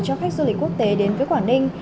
cho khách du lịch quốc tế đến với quảng ninh